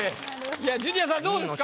いやジュニアさんどうですか？